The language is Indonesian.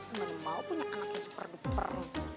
emang mau punya anak yang super duper